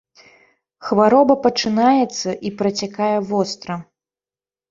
Хвароба пачынаецца і працякае востра.